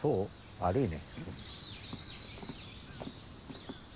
悪いね。